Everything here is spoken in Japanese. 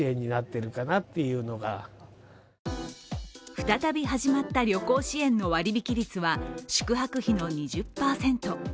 再び始まった旅行支援の割引率は宿泊費の２０％。